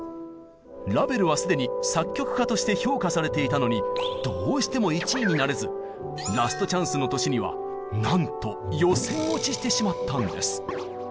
ラヴェルは既に作曲家として評価されていたのにどうしても１位になれずラストチャンスの年にはなんとあらららら。え！